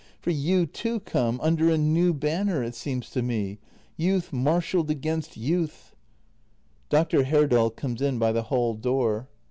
For you, too, come — under a new banner, it seems to me. Youth marshalled against youth ! Dr. Herdal comes in by the hall door.